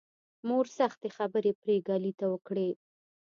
مور سختې خبرې پري ګلې ته وکړې